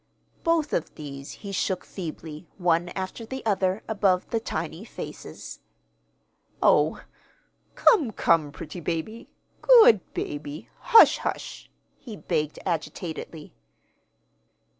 Both of these he shook feebly, one after the other, above the tiny faces. "Oh, come, come, pretty baby, good baby, hush, hush," he begged agitatedly.